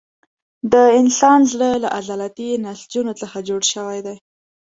د انسان زړه له عضلاتي نسجونو څخه جوړ شوی دی.